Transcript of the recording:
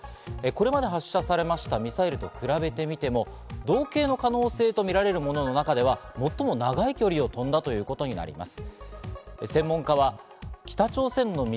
これまで発射されましたミサイルと比べてみても同型の可能性とみられるものの中では最も長い距離を飛んだということになります。